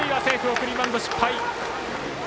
送りバント失敗。